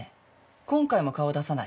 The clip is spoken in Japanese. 今回も顔を出さない。